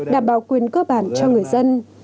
đảm bảo quyền cơ bản cho người dân